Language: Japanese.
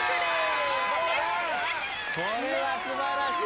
これは素晴らしい！